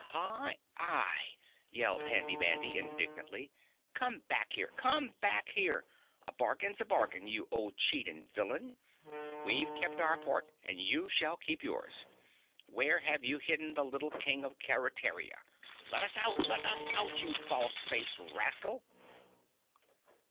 "Hi yi!" yelled Handy Mandy indignantly. "Come back here! Come back here! A bargain's a bargain, you old cheat and villain! We've kept our part and you shall keep yours! Where have you hidden the little King of Keretaria? Let us out! Let us out, you false faced rascal!"